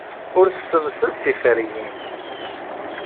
Ur tessemsed tiferyin.